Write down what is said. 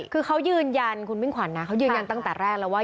คือเขายืนยันคุณมิ่งขวัญนะเขายืนยันตั้งแต่แรกแล้วว่า